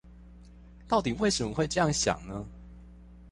到底為什麼會這樣想呢？